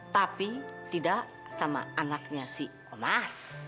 tapi tidak sama anaknya si omas